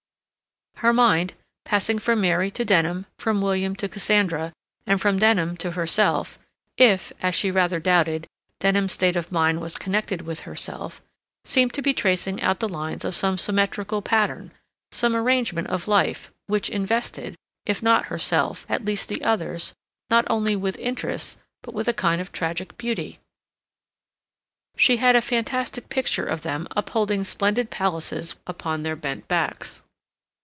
Her mind, passing from Mary to Denham, from William to Cassandra, and from Denham to herself—if, as she rather doubted, Denham's state of mind was connected with herself—seemed to be tracing out the lines of some symmetrical pattern, some arrangement of life, which invested, if not herself, at least the others, not only with interest, but with a kind of tragic beauty. She had a fantastic picture of them upholding splendid palaces upon their bent backs.